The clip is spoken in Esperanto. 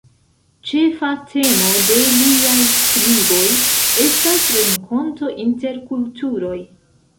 Ĉefa temo de liaj skriboj estas renkonto inter kulturoj.